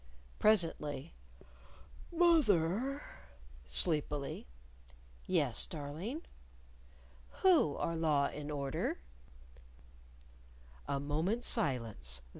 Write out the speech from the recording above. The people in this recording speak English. Presently, "Moth er," sleepily. "Yes, darling?" "Who are Law and Order?" A moment's silence.